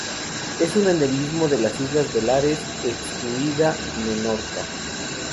Es un endemismo de las Islas Baleares, excluida Menorca.